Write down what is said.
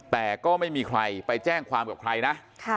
แต่ก็ไม่มีใครไปแจ้งความกับใครนะ